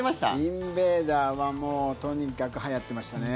インベーダーはもうとにかくはやってましたね。